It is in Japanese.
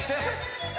え